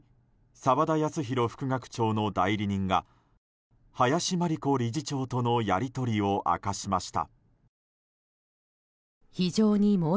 澤田康広副学長の代理人が林真理子理事長とのやりとりを明かしました。